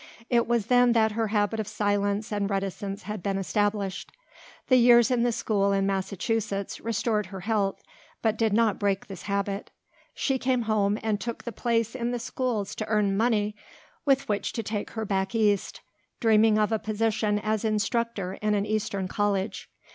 It was then that her habit of silence and reticence had been established. The years in the school in Massachusetts restored her health but did not break this habit. She came home and took the place in the schools to earn money with which to take her back East, dreaming of a position as instructor in an eastern college.